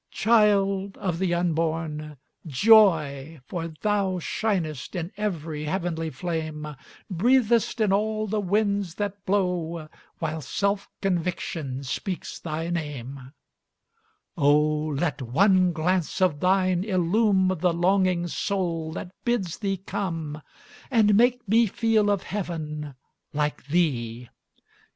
Child of the Unborn! joy! for thou Shinest in every heavenly flame, Breathest in all the winds that blow, While self conviction speaks thy name: Oh, let one glance of thine illume The longing soul that bids thee come, And make me feel of heaven, like thee!